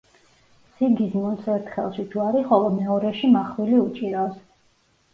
სიგიზმუნდს ერთ ხელში ჯვარი, ხოლო მეორეში მახვილი უჭირავს.